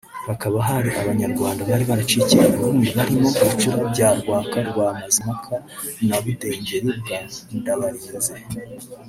hakaba hari Abanyarwanda bari baracikiye i Burundi barimo Bicura bya Rwaka rwa Mazimpaka na Budengeri bwa Ndabarinze